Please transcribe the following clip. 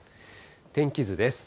天気図です。